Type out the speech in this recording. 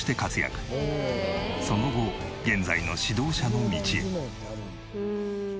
その後現在の指導者の道へ。